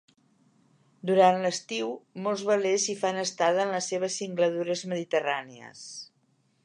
Durant l'estiu molts velers hi fan estada en les seves singladures mediterrànies.